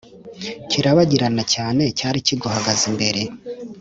kirabagirana cyane Cyari kiguhagaze imbere